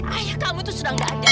ayah kamu tuh sudah gak ada